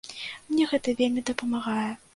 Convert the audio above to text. Мне гэта вельмі дапамагае.